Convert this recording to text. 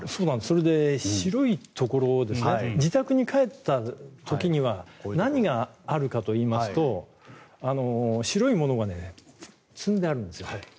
それから、白いところ自宅に帰った時には何があるかといいますと白いものが積んであるんです。